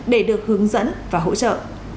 để được hướng dẫn và hỗ trợ